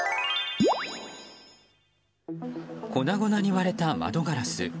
粉々に割れた窓ガラス。